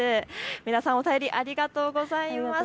皆さんお便りありがとうございます。